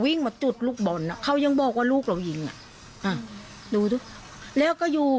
วิ่งมาจุดลูกบนเขายังบอกว่าลูกเราหลีกดูแล้วก็อยู่